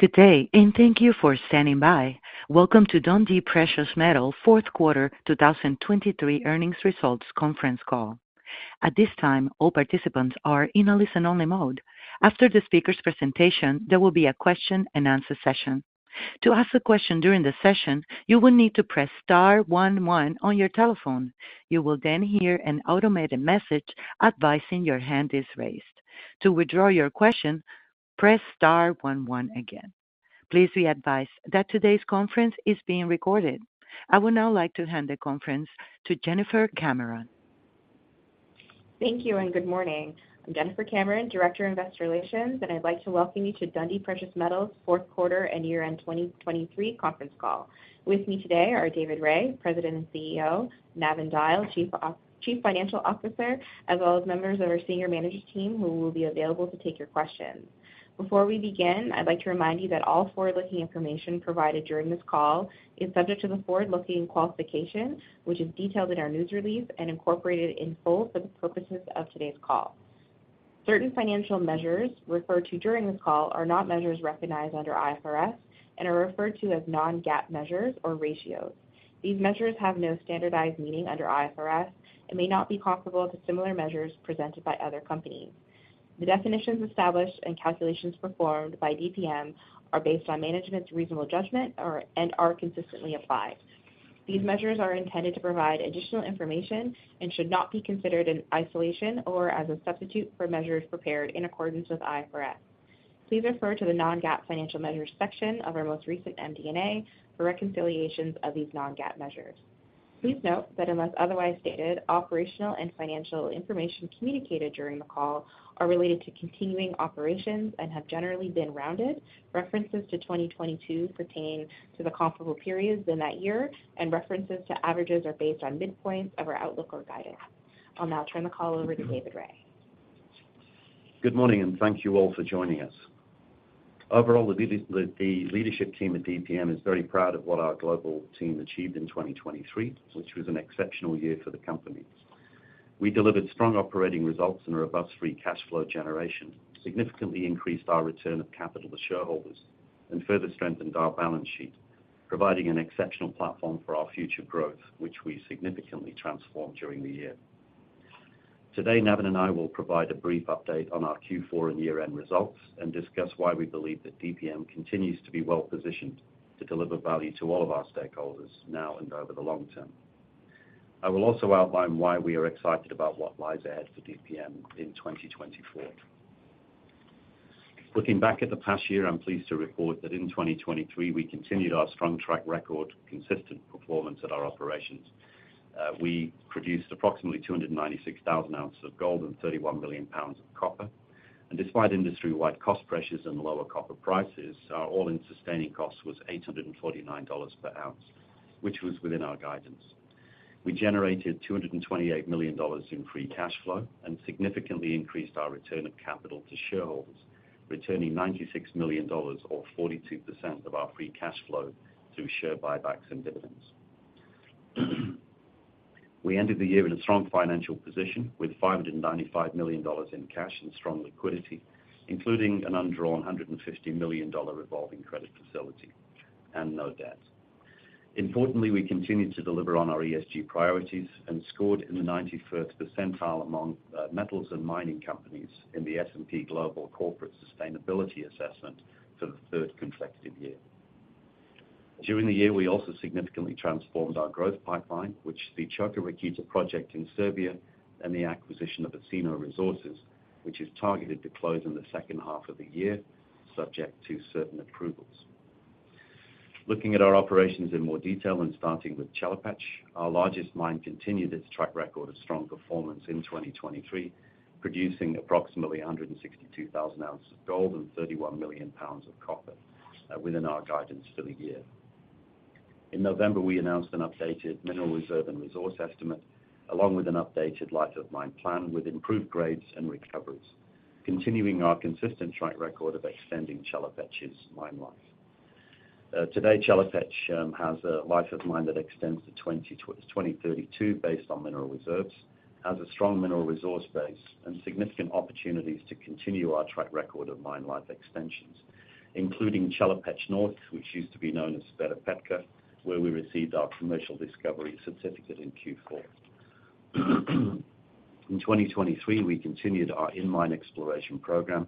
Good day and thank you for standing by. Welcome to Dundee Precious Metals 4th quarter 2023 earnings results conference call. At this time, all participants are in a listen-only mode. After the speaker's presentation, there will be a question-and-answer session. To ask a question during the session, you will need to press star one one on your telephone. You will then hear an automated message advising your hand is raised. To withdraw your question, press star one one again. Please be advised that today's conference is being recorded. I would now like to hand the conference to Jennifer Cameron. Thank you and good morning. I'm Jennifer Cameron, Director of Investor Relations, and I'd like to welcome you to Dundee Precious Metals' fourth quarter and year-end 2023 conference call. With me today are David Rae, President and CEO; Navin Dyal, Chief Financial Officer; as well as members of our Senior Manager team who will be available to take your questions. Before we begin, I'd like to remind you that all forward-looking information provided during this call is subject to the forward-looking qualification, which is detailed in our news release and incorporated in full for the purposes of today's call. Certain financial measures referred to during this call are not measures recognized under IFRS and are referred to as non-GAAP measures or ratios. These measures have no standardized meaning under IFRS and may not be comparable to similar measures presented by other companies. The definitions established and calculations performed by DPM are based on management's reasonable judgment and are consistently applied. These measures are intended to provide additional information and should not be considered in isolation or as a substitute for measures prepared in accordance with IFRS. Please refer to the non-GAAP financial measures section of our most recent MD&A for reconciliations of these non-GAAP measures. Please note that unless otherwise stated, operational and financial information communicated during the call are related to continuing operations and have generally been rounded. References to 2022 pertain to the comparable periods in that year, and references to averages are based on midpoints of our outlook or guidance. I'll now turn the call over to David Rae. Good morning and thank you all for joining us. Overall, the leadership team at DPM is very proud of what our global team achieved in 2023, which was an exceptional year for the company. We delivered strong operating results and a robust free cash flow generation, significantly increased our return of capital to shareholders, and further strengthened our balance sheet, providing an exceptional platform for our future growth, which we significantly transformed during the year. Today, Navin and I will provide a brief update on our Q4 and year-end results and discuss why we believe that DPM continues to be well-positioned to deliver value to all of our stakeholders now and over the long term. I will also outline why we are excited about what lies ahead for DPM in 2024. Looking back at the past year, I'm pleased to report that in 2023 we continued our strong track record, consistent performance at our operations. We produced approximately 296,000 oz of gold and 31 million lb of copper, and despite industry-wide cost pressures and lower copper prices, our all-in sustaining cost was $849 per ounce, which was within our guidance. We generated $228 million in free cash flow and significantly increased our return of capital to shareholders, returning $96 million or 42% of our free cash flow through share buybacks and dividends. We ended the year in a strong financial position with $595 million in cash and strong liquidity, including an undrawn $150 million revolving credit facility and no debt. Importantly, we continued to deliver on our ESG priorities and scored in the 91st percentile among metals and mining companies in the S&P Global Corporate Sustainability Assessment for the third consecutive year. During the year, we also significantly transformed our growth pipeline, which the Čoka Rakita project in Serbia and the acquisition of Osino Resources, which is targeted to close in the second half of the year, subject to certain approvals. Looking at our operations in more detail and starting with Chelopech, our largest mine continued its track record of strong performance in 2023, producing approximately 162,000 oz of gold and $31 million of copper within our guidance for the year. In November, we announced an updated mineral reserve and resource estimate, along with an updated life-of-mine plan with improved grades and recoveries, continuing our consistent track record of extending Chelopech's mine life. Today, Chelopech has a life-of-mine that extends to 2032 based on mineral reserves, has a strong mineral resource base, and significant opportunities to continue our track record of mine life extensions, including Chelopech North, which used to be known as Sveta Petka, where we received our commercial discovery certificate in Q4. In 2023, we continued our in-mine exploration program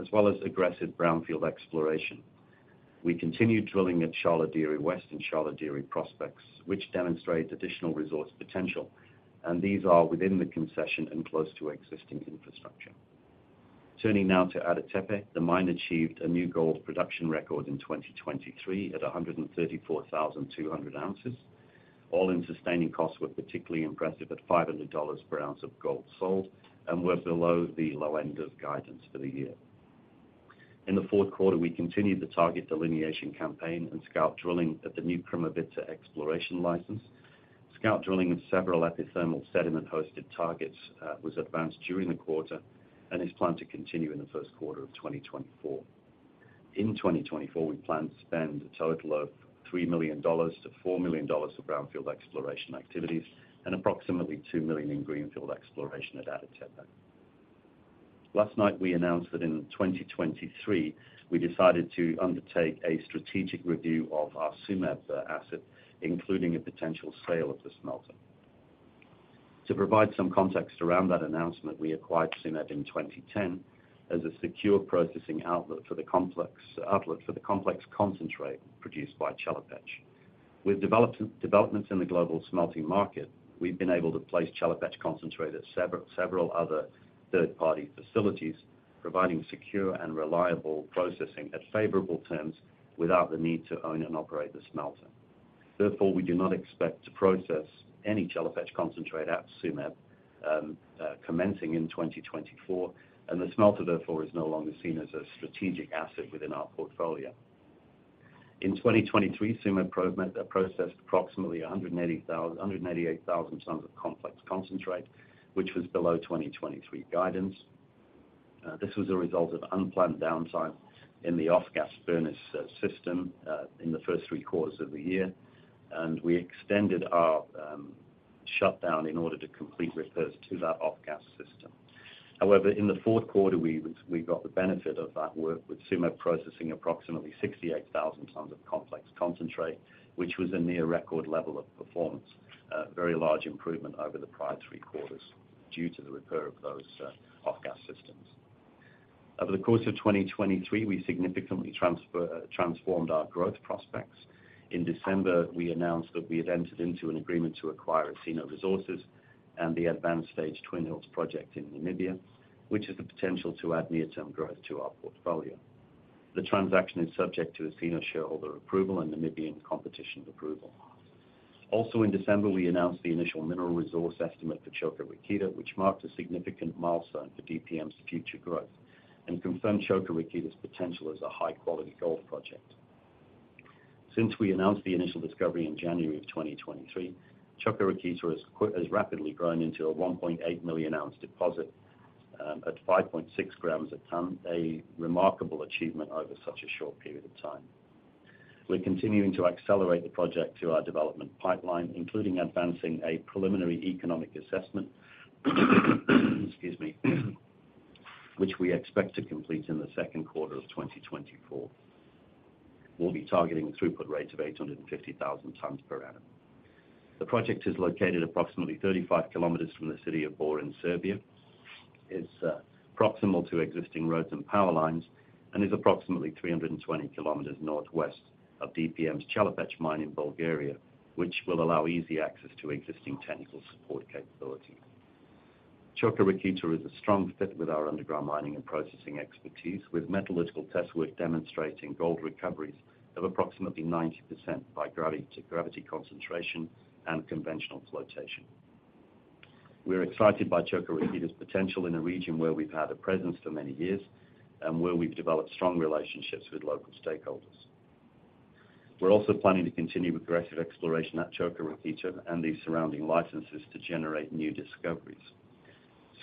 as well as aggressive brownfield exploration. We continued drilling at Sharlo Dere West and Sharlo Dere prospects, which demonstrated additional resource potential, and these are within the concession and close to existing infrastructure. Turning now to Ada Tepe, the mine achieved a new gold production record in 2023 at 134,200 oz. All-in sustaining costs were particularly impressive at $500 per ounce of gold sold and were below the low end of guidance for the year. In the fourth quarter, we continued the target delineation campaign and scout drilling at the new Krumovgrad exploration license. Scout drilling of several epithermal sediment-hosted targets was advanced during the quarter and is planned to continue in the first quarter of 2024. In 2024, we plan to spend a total of $3 million-$4 million for brownfield exploration activities and approximately $2 million in greenfield exploration at Ada Tepe. Last night, we announced that in 2023 we decided to undertake a strategic review of our Tsumeb asset, including a potential sale of the smelter. To provide some context around that announcement, we acquired Tsumeb in 2010 as a secure processing outlet for the complex concentrate produced by Chelopech. With developments in the global smelting market, we've been able to place Chelopech concentrate at several other third-party facilities, providing secure and reliable processing at favorable terms without the need to own and operate the smelter. Therefore, we do not expect to process any Chelopech concentrate at Tsumeb commencing in 2024, and the smelter, therefore, is no longer seen as a strategic asset within our portfolio. In 2023, Tsumeb processed approximately 188,000 tons of complex concentrate, which was below 2023 guidance. This was a result of unplanned downtime in the off-gas furnace system in the first three quarters of the year, and we extended our shutdown in order to complete repairs to that off-gas system. However, in the fourth quarter, we got the benefit of that work with Tsumeb processing approximately 68,000 tons of complex concentrate, which was a near-record level of performance, a very large improvement over the prior three quarters due to the repair of those off-gas systems. Over the course of 2023, we significantly transformed our growth prospects. In December, we announced that we had entered into an agreement to acquire Osino Resources and the advanced-stage Twin Hills project in Namibia, which has the potential to add near-term growth to our portfolio. The transaction is subject to Osino shareholder approval and Namibian competition approval. Also, in December, we announced the initial mineral resource estimate for Čoka Rakita, which marked a significant milestone for DPM's future growth and confirmed Čoka Rakita's potential as a high-quality gold project. Since we announced the initial discovery in January of 2023, Čoka Rakita has rapidly grown into a 1.8 million oz deposit at 5.6 g a ton, a remarkable achievement over such a short period of time. We're continuing to accelerate the project through our development pipeline, including advancing a preliminary economic assessment, excuse me, which we expect to complete in the second quarter of 2024. We'll be targeting a throughput rate of 850,000 tons per annum. The project is located approximately 35 kmfrom the city of Bor in Serbia, is proximal to existing roads and power lines, and is approximately 320 km northwest of DPM's Chelopech mine in Bulgaria, which will allow easy access to existing technical support capabilities. Čoka Rakita is a strong fit with our underground mining and processing expertise, with metallurgical test work demonstrating gold recoveries of approximately 90% by gravity concentration and conventional flotation. We're excited by Čoka Rakita's potential in a region where we've had a presence for many years and where we've developed strong relationships with local stakeholders. We're also planning to continue aggressive exploration at Čoka Rakita and the surrounding licences to generate new discoveries.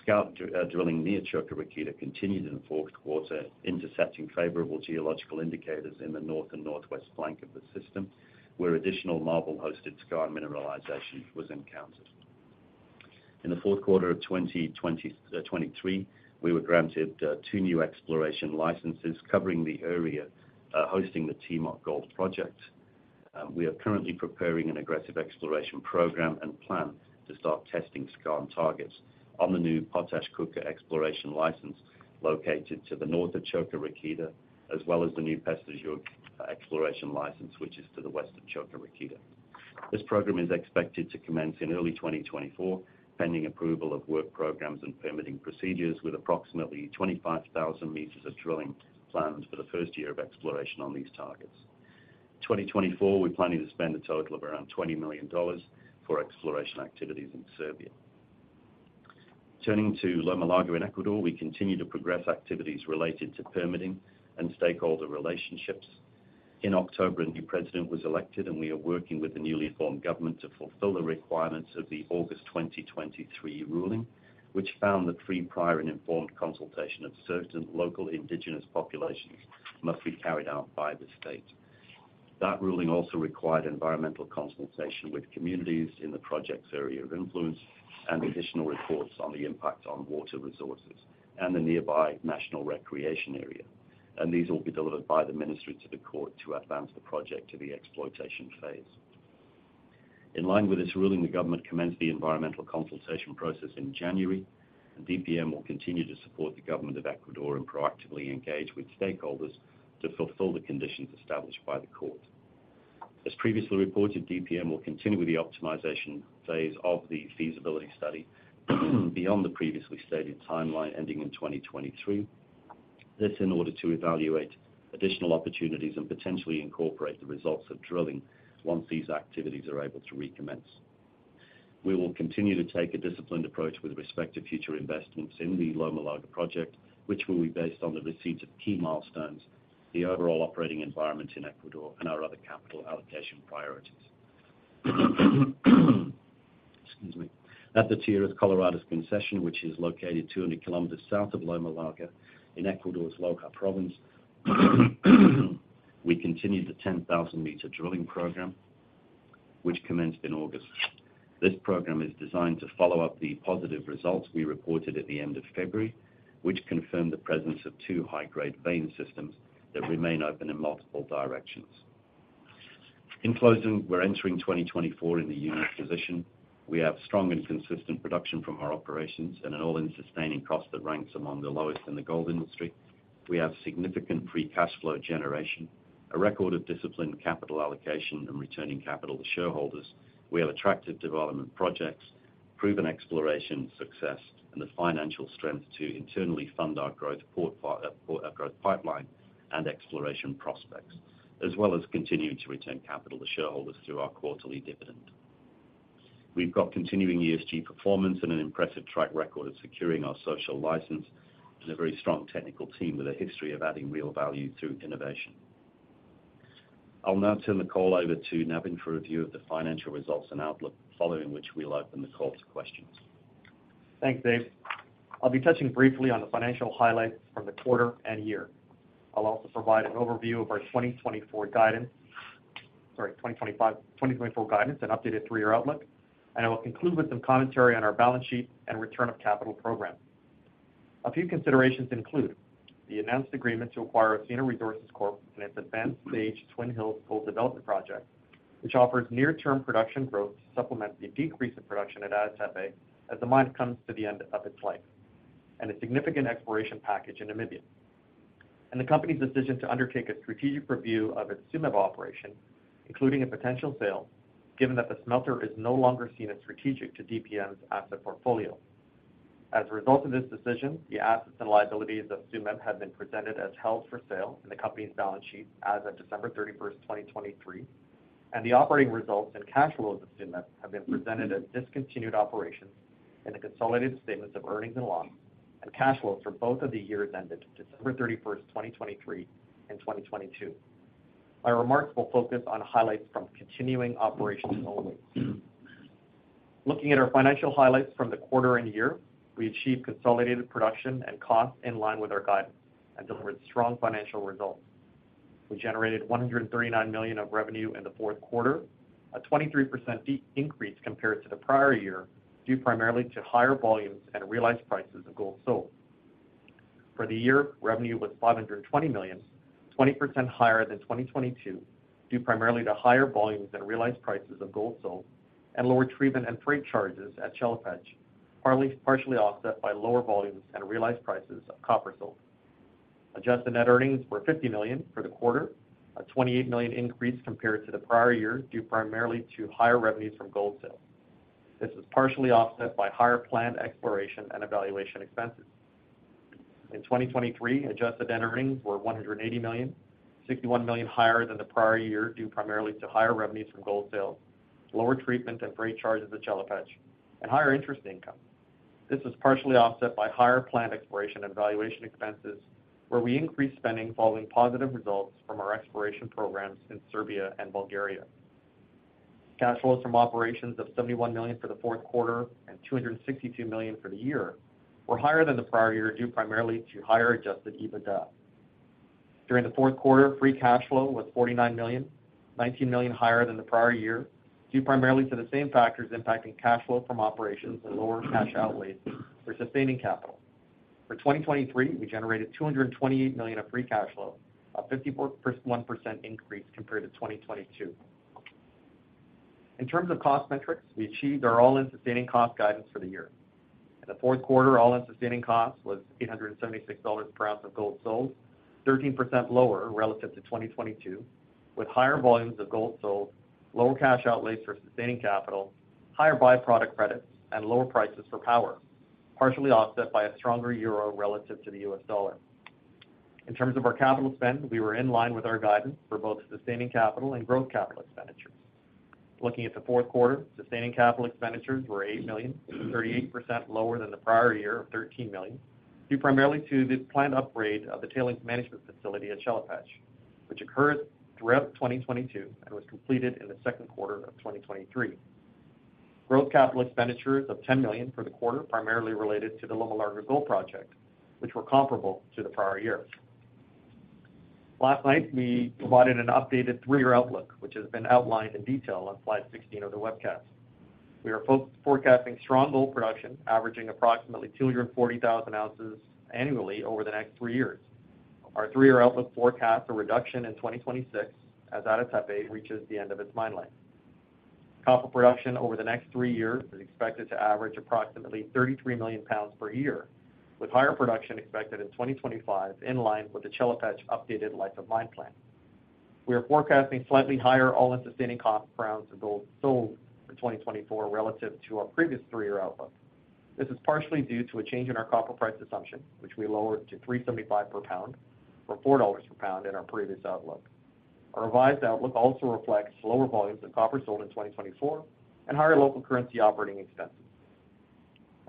Scout drilling near Čoka Rakita continued in the fourth quarter, intercepting favorable geological indicators in the north and northwest flank of the system where additional marble-hosted skarn mineralization was encountered. In the fourth quarter of 2023, we were granted two new exploration licenses covering the area hosting the Timok Gold Project. We are currently preparing an aggressive exploration program and plan to start testing skarn targets on the new Potaj Čuka exploration license located to the north of Čoka Rakita, as well as the new Pešter Jug exploration license, which is to the west of Čoka Rakita. This program is expected to commence in early 2024, pending approval of work programs and permitting procedures, with approximately 25,000 m of drilling planned for the first year of exploration on these targets. 2024, we're planning to spend a total of around $20 million for exploration activities in Serbia. Turning to Loma Larga in Ecuador, we continue to progress activities related to permitting and stakeholder relationships. In October, a new president was elected, and we are working with the newly formed government to fulfill the requirements of the August 2023 ruling, which found that free prior and informed consultation of certain local indigenous populations must be carried out by the state. That ruling also required environmental consultation with communities in the project's area of influence and additional reports on the impact on water resources and the nearby national recreation area, and these will be delivered by the ministry to the court to advance the project to the exploitation phase. In line with this ruling, the government commenced the environmental consultation process in January, and DPM will continue to support the government of Ecuador and proactively engage with stakeholders to fulfill the conditions established by the court. As previously reported, DPM will continue with the optimization phase of the feasibility study beyond the previously stated timeline ending in 2023. This is in order to evaluate additional opportunities and potentially incorporate the results of drilling once these activities are able to recommence. We will continue to take a disciplined approach with respect to future investments in the Loma Larga project, which will be based on the receipts of key milestones, the overall operating environment in Ecuador, and our other capital allocation priorities. Excuse me. At the Tierras Coloradas concession, which is located 200 km south of Loma Larga in Ecuador's Loja province, we continue the 10,000 m drilling program, which commenced in August. This program is designed to follow up the positive results we reported at the end of February, which confirmed the presence of two high-grade vein systems that remain open in multiple directions. In closing, we're entering 2024 in the unique position. We have strong and consistent production from our operations and an all-in sustaining cost that ranks among the lowest in the gold industry. We have significant free cash flow generation, a record of disciplined capital allocation and returning capital to shareholders. We have attractive development projects, proven exploration success, and the financial strength to internally fund our growth pipeline and exploration prospects, as well as continuing to return capital to shareholders through our quarterly dividend. We've got continuing ESG performance and an impressive track record of securing our social license and a very strong technical team with a history of adding real value through innovation. I'll now turn the call over to Navin for review of the financial results and outlook, following which we'll open the call to questions. Thanks, Dave. I'll be touching briefly on the financial highlights from the quarter and year. I'll also provide an overview of our 2024 guidance sorry, 2024 guidance and updated three-year outlook, and I will conclude with some commentary on our balance sheet and return of capital program. A few considerations include the announced agreement to acquire Osino Resources Corp and its advanced-stage Twin Hills gold development project, which offers near-term production growth to supplement the decrease in production at Ada Tepe as the mine comes to the end of its life, and a significant exploration package in Namibia. The company's decision to undertake a strategic review of its Tsumeb operation, including a potential sale, given that the smelter is no longer seen as strategic to DPM's asset portfolio. As a result of this decision, the assets and liabilities of Tsumeb have been presented as held for sale in the company's balance sheet as of December 31st, 2023, and the operating results and cash flows of Tsumeb have been presented as discontinued operations in the consolidated statements of earnings and loss and cash flows for both of the years ended December 31st, 2023, and 2022. My remarks will focus on highlights from continuing operations only. Looking at our financial highlights from the quarter and year, we achieved consolidated production and costs in line with our guidance and delivered strong financial results. We generated $139 million of revenue in the fourth quarter, a 23% increase compared to the prior year due primarily to higher volumes and realized prices of gold sold. For the year, revenue was $520 million, 20% higher than 2022 due primarily to higher volumes and realized prices of gold sold and lower treatment and freight charges at Chelopech, partially offset by lower volumes and realized prices of copper sold. Adjusted net earnings were $50 million for the quarter, a $28 million increase compared to the prior year due primarily to higher revenues from gold sales. This was partially offset by higher planned exploration and evaluation expenses. In 2023, adjusted net earnings were $180 million, $61 million higher than the prior year due primarily to higher revenues from gold sales, lower treatment and freight charges at Chelopech, and higher interest income. This was partially offset by higher planned exploration and evaluation expenses, where we increased spending following positive results from our exploration programs in Serbia and Bulgaria. Cash flows from operations of $71 million for the fourth quarter and $262 million for the year were higher than the prior year due primarily to higher adjusted EBITDA. During the fourth quarter, free cash flow was $49 million, $19 million higher than the prior year due primarily to the same factors impacting cash flow from operations and lower cash outlays for sustaining capital. For 2023, we generated $228 million of free cash flow, a 51% increase compared to 2022. In terms of cost metrics, we achieved our all-in sustaining cost guidance for the year. In the fourth quarter, all-in sustaining cost was $876 per ounce of gold sold, 13% lower relative to 2022, with higher volumes of gold sold, lower cash outlays for sustaining capital, higher byproduct credits, and lower prices for power, partially offset by a stronger euro relative to the U.S. dollar. In terms of our capital spend, we were in line with our guidance for both sustaining capital and growth capital expenditures. Looking at the fourth quarter, sustaining capital expenditures were $8 million, 38% lower than the prior year of $13 million due primarily to the planned upgrade of the tailings management facility at Chelopech, which occurred throughout 2022 and was completed in the second quarter of 2023. Growth capital expenditures of $10 million for the quarter primarily related to the Loma Larga gold project, which were comparable to the prior year. Last night, we provided an updated three-year outlook, which has been outlined in detail on slide 16 of the webcast. We are forecasting strong gold production, averaging approximately 240,000 oz annually over the next three years. Our three-year outlook forecasts a reduction in 2026 as Ada Tepe reaches the end of its mine life. Copper production over the next three years is expected to average approximately 33 million lb per year, with higher production expected in 2025 in line with the Chelopech updated life-of-mine plan. We are forecasting slightly higher all-in sustaining cost per ounce of gold sold for 2024 relative to our previous three-year outlook. This is partially due to a change in our copper price assumption, which we lowered to $3.75 per pound or $4 per pound in our previous outlook. Our revised outlook also reflects lower volumes of copper sold in 2024 and higher local currency operating expenses.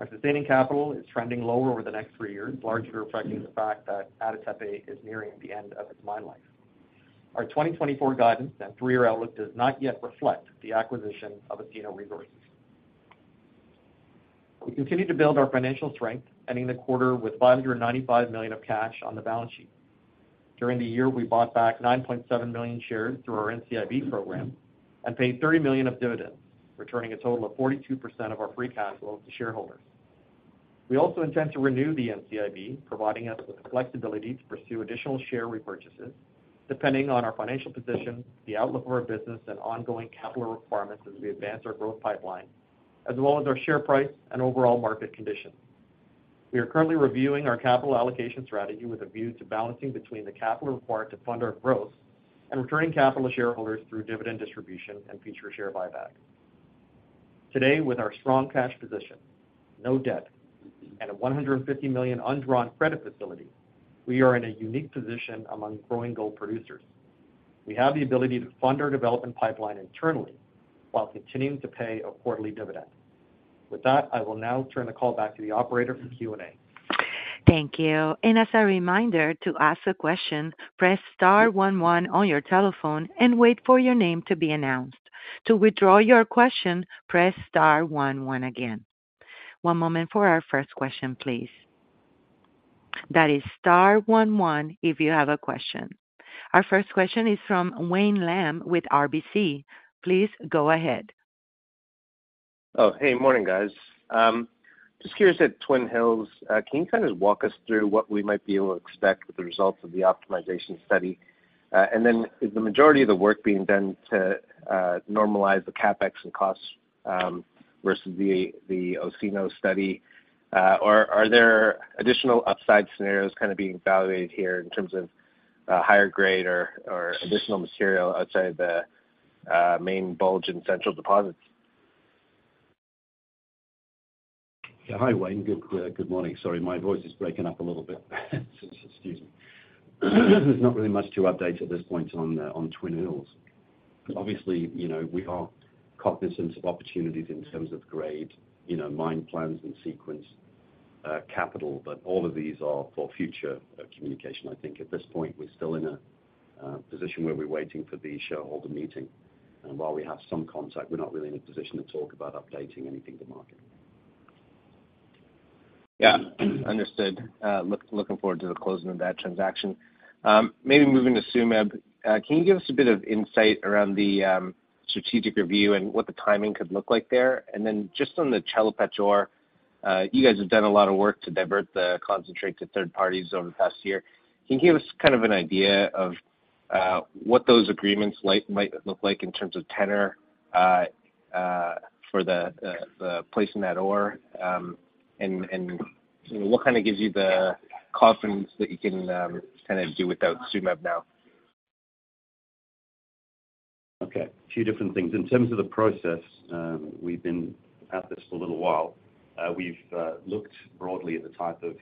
Our sustaining capital is trending lower over the next three years, largely reflecting the fact that Ada Tepe is nearing the end of its mine life. Our 2024 guidance and three-year outlook does not yet reflect the acquisition of Osino Resources. We continue to build our financial strength, ending the quarter with $595 million of cash on the balance sheet. During the year, we bought back 9.7 million shares through our NCIB program and paid $30 million of dividends, returning a total of 42% of our free cash flow to shareholders. We also intend to renew the NCIB, providing us with the flexibility to pursue additional share repurchases, depending on our financial position, the outlook for our business, and ongoing capital requirements as we advance our growth pipeline, as well as our share price and overall market conditions. We are currently reviewing our capital allocation strategy with a view to balancing between the capital required to fund our growth and returning capital to shareholders through dividend distribution and future share buybacks. Today, with our strong cash position, no debt, and a $150 million undrawn credit facility, we are in a unique position among growing gold producers. We have the ability to fund our development pipeline internally while continuing to pay a quarterly dividend. With that, I will now turn the call back to the operator for Q&A. Thank you. As a reminder, to ask a question, press star one one on your telephone and wait for your name to be announced. To withdraw your question, press star one one again. One moment for our first question, please. That is star one one if you have a question. Our first question is from Wayne Lam with RBC. Please go ahead. Oh, hey. Morning, guys. Just curious at Twin Hills, can you kind of walk us through what we might be able to expect with the results of the optimization study? And then, is the majority of the work being done to normalize the CapEx and costs versus the Osino study? Or are there additional upside scenarios kind of being evaluated here in terms of higher grade or additional material outside of the main bulge and central deposits? Yeah. Hi, Wayne. Good morning. Sorry, my voice is breaking up a little bit. Excuse me. There's not really much to update at this point on Twin Hills. Obviously, we are cognizant of opportunities in terms of grade, mine plans, and sequence capital, but all of these are for future communication. I think at this point, we're still in a position where we're waiting for the shareholder meeting. And while we have some contact, we're not really in a position to talk about updating anything to market. Yeah. Understood. Looking forward to the closing of that transaction. Maybe moving to Tsumeb, can you give us a bit of insight around the strategic review and what the timing could look like there? And then just on the Chelopech ore, you guys have done a lot of work to divert the concentrate to third parties over the past year. Can you give us kind of an idea of what those agreements might look like in terms of tenor for the placement of ore? And what kind of gives you the confidence that you can kind of do without Tsumeb now? Okay. A few different things. In terms of the process, we've been at this for a little while. We've looked broadly at the type of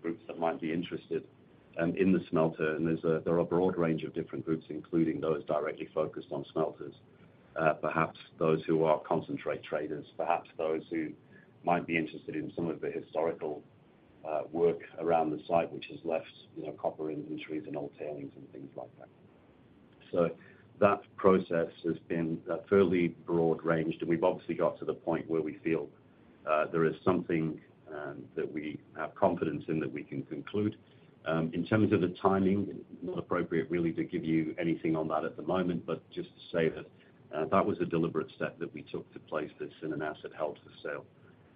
groups that might be interested in the smelter. There are a broad range of different groups, including those directly focused on smelters, perhaps those who are concentrate traders, perhaps those who might be interested in some of the historical work around the site, which has left copper inventories and old tailings and things like that. That process has been fairly broad-ranged. We've obviously got to the point where we feel there is something that we have confidence in that we can conclude. In terms of the timing, not appropriate, really, to give you anything on that at the moment, but just to say that that was a deliberate step that we took to place this in an asset held for sale.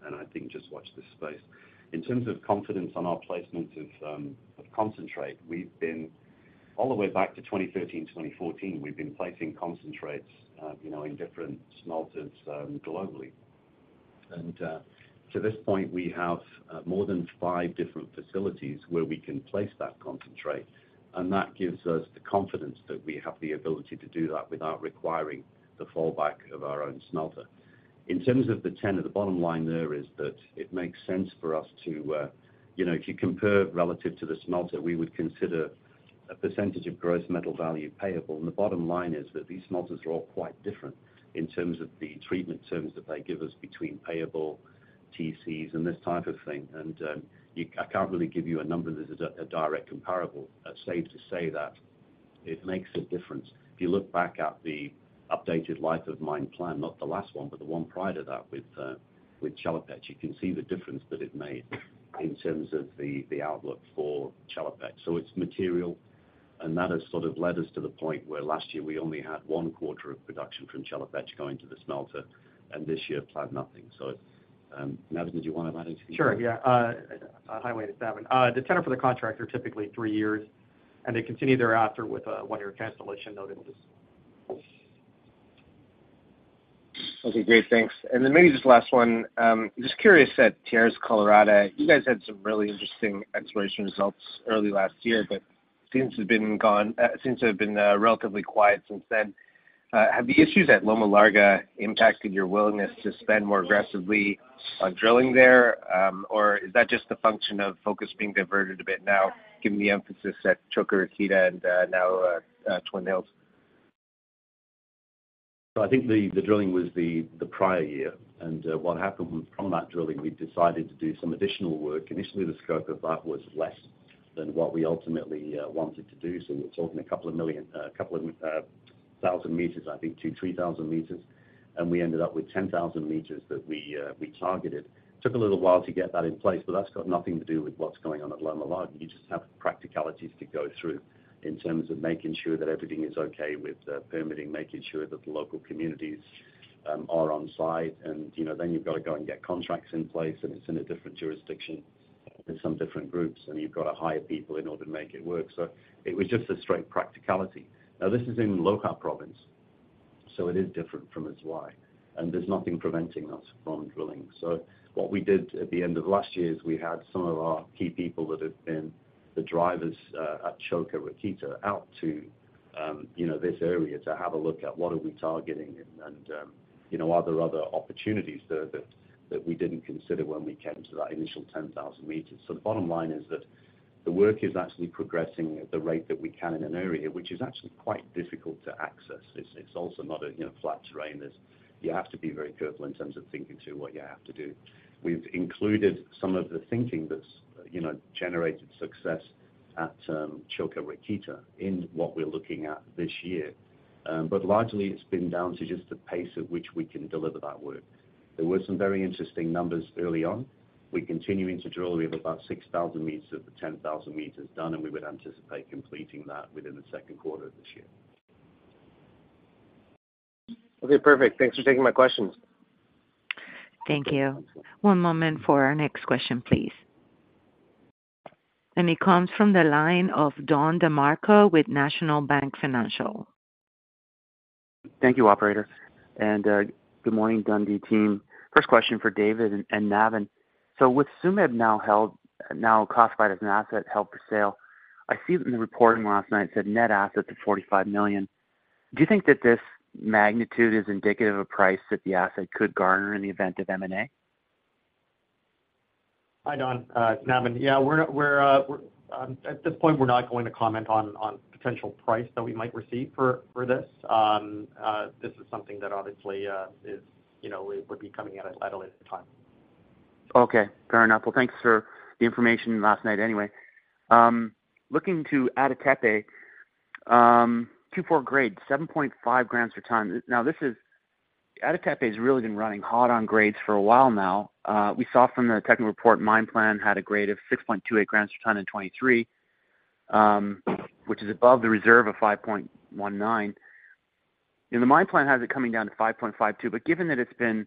I think just watch this space. In terms of confidence on our placement of concentrate, all the way back to 2013, 2014, we've been placing concentrates in different smelters globally. To this point, we have more than five different facilities where we can place that concentrate. That gives us the confidence that we have the ability to do that without requiring the fallback of our own smelter. In terms of the tenor, the bottom line there is that it makes sense for us, if you compare relative to the smelter, we would consider a percentage of gross metal value payable. The bottom line is that these smelters are all quite different in terms of the treatment terms that they give us between payable, TCs, and this type of thing. I can't really give you a number that is a direct comparable, safe to say that it makes a difference. If you look back at the updated life of mine plan, not the last one, but the one prior to that with Chelopech, you can see the difference that it made in terms of the outlook for Chelopech. So it's material. And that has sort of led us to the point where last year, we only had one quarter of production from Chelopech going to the smelter, and this year, planned nothing. So Navin, did you want to add anything? Sure. Yeah. I'll highlight it, Navin. The tenor for the contractor, typically three years. And they continue thereafter with a one-year cancellation notice in place. Okay. Great. Thanks. And then maybe just last one. Just curious at Tierras Coloradas, you guys had some really interesting exploration results early last year, but it seems to have gone quiet since then. Have the issues at Loma Larga impacted your willingness to spend more aggressively on drilling there? Or is that just the function of focus being diverted a bit now, given the emphasis at Čoka Rakita, and now Twin Hills? So I think the drilling was the prior year. And what happened from that drilling, we decided to do some additional work. Initially, the scope of that was less than what we ultimately wanted to do. So we were talking 2,000 m, I think, to 3,000 m. And we ended up with 10,000 m that we targeted. Took a little while to get that in place, but that's got nothing to do with what's going on at Loma Larga. You just have practicalities to go through in terms of making sure that everything is okay with permitting, making sure that the local communities are on site. And then you've got to go and get contracts in place. And it's in a different jurisdiction. It's some different groups. And you've got to hire people in order to make it work. So it was just a straight practicality. Now, this is in Loja Province. So it is different from Azuay. And there's nothing preventing us from drilling. So what we did at the end of last year is we had some of our key people that have been the drivers at Čoka Rakita, out to this area to have a look at what are we targeting and are there other opportunities that we didn't consider when we came to that initial 10,000 m. So the bottom line is that the work is actually progressing at the rate that we can in an area, which is actually quite difficult to access. It's also not a flat terrain. You have to be very careful in terms of thinking through what you have to do. We've included some of the thinking that's generated success at Čoka Rakita in what we're looking at this year. But largely, it's been down to just the pace at which we can deliver that work. There were some very interesting numbers early on. We're continuing to drill. We have about 6,000 m of the 10,000 m done. And we would anticipate completing that within the second quarter of this year. Okay. Perfect. Thanks for taking my questions. Thank you. One moment for our next question, please. And it comes from the line of Don DeMarco with National Bank Financial. Thank you, operator. And good morning, Dundee team. First question for David and Navin. So with Tsumeb now classified as an asset held for sale, I see that in the reporting last night, it said net assets of $45 million. Do you think that this magnitude is indicative of price that the asset could garner in the event of M&A? Hi, Don. It's Navin. Yeah. At this point, we're not going to comment on potential price that we might receive for this. This is something that, obviously, would be coming at a later time point. Okay. Fair enough. Well, thanks for the information last night anyway. Looking to Ada Tepe, Q4 grade, 7.5 g per tonne. Now, Ada Tepe has really been running hot on grades for a while now. We saw from the technical report, mine plan had a grade of 6.28 g per tonne in 2023, which is above the reserve of 5.19. The mine plan has it coming down to 5.52. But given that it's been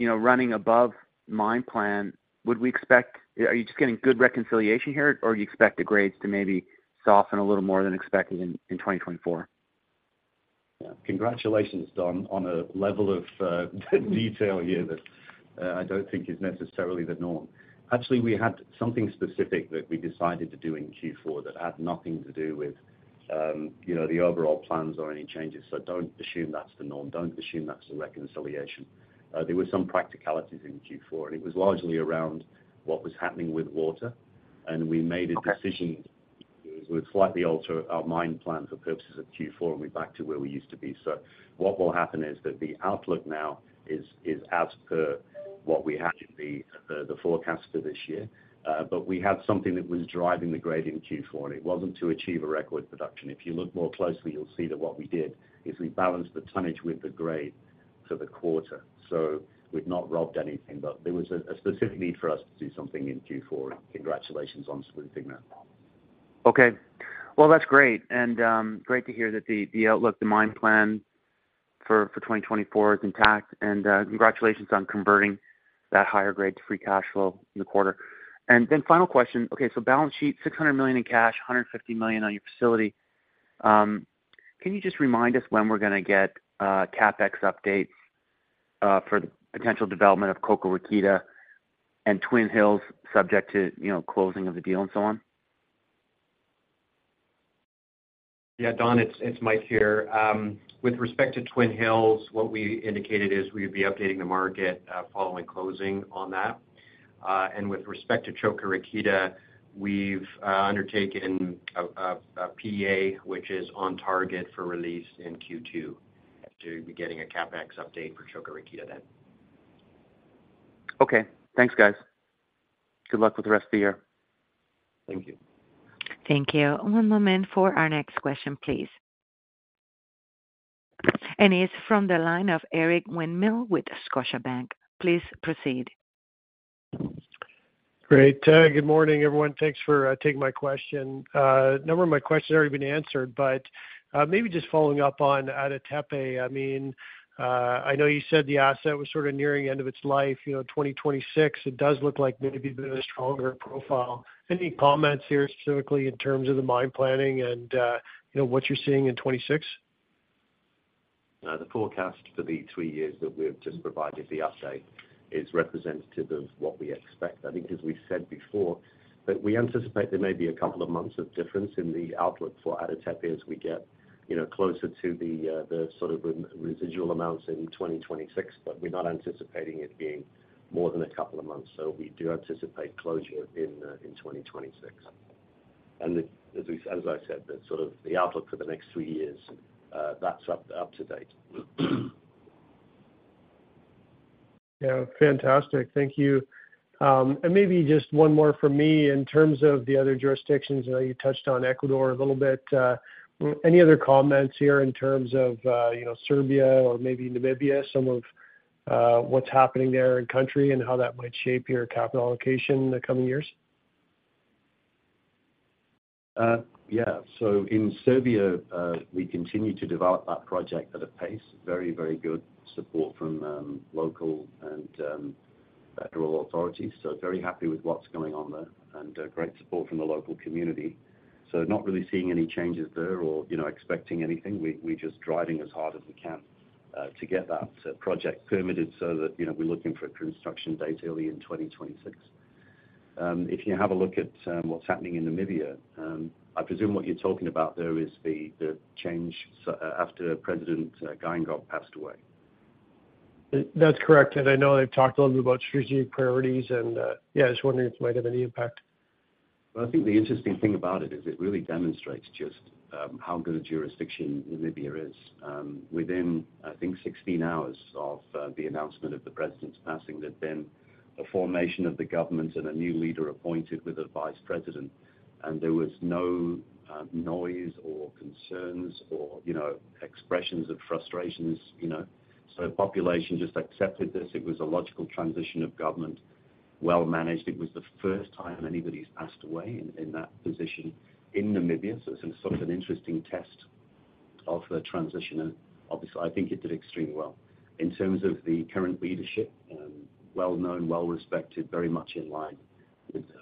running above mine plan, would we expect—are you just getting good reconciliation here? Or do you expect the grades to maybe soften a little more than expected in 2024? Yeah. Congratulations, Don, on a level of detail here that I don't think is necessarily the norm. Actually, we had something specific that we decided to do in Q4 that had nothing to do with the overall plans or any changes. So don't assume that's the norm. Don't assume that's the reconciliation. There were some practicalities in Q4. And it was largely around what was happening with water. And we made a decision. We were slightly altering our mine plan for purposes of Q4. And we're back to where we used to be. So what will happen is that the outlook now is as per what we had in the forecast for this year. But we had something that was driving the grade in Q4. And it wasn't to achieve a record production. If you look more closely, you'll see that what we did is we balanced the tonnage with the grade for the quarter. So we've not robbed anything. But there was a specific need for us to do something in Q4. Congratulations on smoothing that. Okay. Well, that's great. And great to hear that the outlook, the mine plan for 2024, is intact. And congratulations on converting that higher grade to free cash flow in the quarter. And then final question. Okay. So balance sheet, $600 million in cash, $150 million on your facility. Can you just remind us when we're going to get CapEx updates for the potential development of Čoka Rakita and Twin Hills subject to closing of the deal and so on? Yeah, Don. It's Mike here. With respect to Twin Hills, what we indicated is we would be updating the market following closing on that. And with respect to Čoka Rakita, we've undertaken a PEA, which is on target for release in Q2. So you'll be getting a CapEx update for Čoka Rakita then. Okay. Thanks, guys. Good luck with the rest of the year. Thank you. Thank you. One moment for our next question, please. And it's from the line of Eric Winmill with Scotiabank. Please proceed. Great. Good morning, everyone. Thanks for taking my question. A number of my questions have already been answered. But maybe just following up on Ada Tepe. I mean, I know you said the asset was sort of nearing the end of its life, 2026. It does look like maybe it's been a stronger profile. Any comments here specifically in terms of the mine planning and what you're seeing in 2026? The forecast for the three years that we've just provided the update is representative of what we expect, I think, as we said before. But we anticipate there may be a couple of months of difference in the outlook for Ada Tepe as we get closer to the sort of residual amounts in 2026. But we're not anticipating it being more than a couple of months. So we do anticipate closure in 2026. And as I said, sort of the outlook for the next three years, that's up to date. Yeah. Fantastic. Thank you. And maybe just one more from me in terms of the other jurisdictions. I know you touched on Ecuador a little bit. Any other comments here in terms of Serbia or maybe Namibia, some of what's happening there in country and how that might shape your capital allocation in the coming years? Yeah. So in Serbia, we continue to develop that project at a pace, very, very good support from local and federal authorities. So very happy with what's going on there. And great support from the local community. So not really seeing any changes there or expecting anything. We're just driving as hard as we can to get that project permitted so that we're looking for construction data early in 2026. If you have a look at what's happening in Namibia, I presume what you're talking about there is the change after President Geingob passed away. That's correct. And I know they've talked a little bit about strategic priorities. And yeah, I was wondering if it might have any impact. Well, I think the interesting thing about it is it really demonstrates just how good a jurisdiction Namibia is. Within, I think, 16 hours of the announcement of the President's passing, there'd been a formation of the government and a new leader appointed with a Vice President. And there was no noise or concerns or expressions of frustrations. So the population just accepted this. It was a logical transition of government, well-managed. It was the first time anybody's passed away in that position in Namibia. So it's sort of an interesting test of the transition. And obviously, I think it did extremely well. In terms of the current leadership, well-known, well-respected, very much in line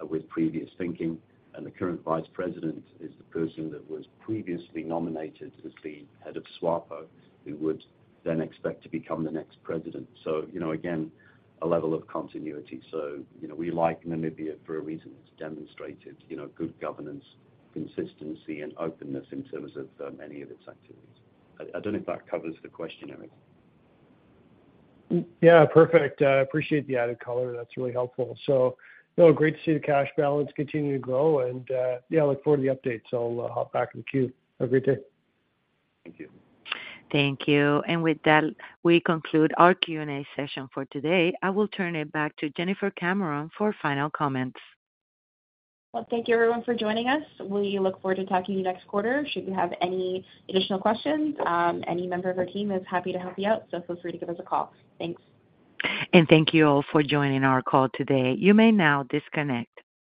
with previous thinking. And the current Vice President is the person that was previously nominated as the head of SWAPO, who would then expect to become the next President. So again, a level of continuity. So we like Namibia for a reason. It's demonstrated good governance, consistency, and openness in terms of many of its activities. I don't know if that covers the question, Eric. Yeah. Perfect. I appreciate the added color. That's really helpful. So great to see the cash balance continue to grow. And yeah, I look forward to the updates. I'll hop back in the queue. Have a great day. Thank you. Thank you. And with that, we conclude our Q&A session for today. I will turn it back to Jennifer Cameron for final comments. Well, thank you, everyone, for joining us. We look forward to talking to you next quarter. Should you have any additional questions, any member of our team is happy to help you out. So feel free to give us a call. Thanks. And thank you all for joining our call today. You may now disconnect.